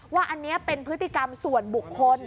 ว่าอันนี้เป็นพฤติกรรมส่วนบุคคล